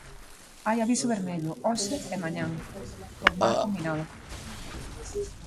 Hai aviso vermello, hoxe e mañá, por mar combinado.